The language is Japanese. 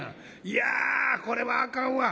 「いやこれはあかんわ」。